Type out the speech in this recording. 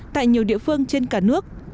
tại nhiều địa phương trên cả nước